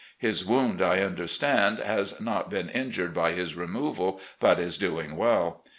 His wound, I understand, has not been injured by his removal, but is doing well.